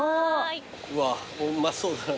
うわうまそうだな。